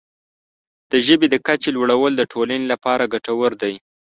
د ژبې د کچې لوړول د ټولنې لپاره ګټور دی.